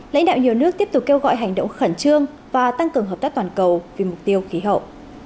lãnh đạo nhiều nước tiếp tục kêu gọi hành động khẩn trương và tăng cường hợp tác toàn cầu vì mục tiêu khí hậu